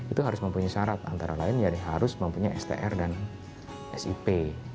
itu harus mempunyai syarat antara lain ya harus mempunyai str dan sip